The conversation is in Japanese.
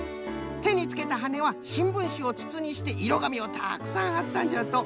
てにつけたはねはしんぶんしをつつにしていろがみをたくさんはったんじゃと。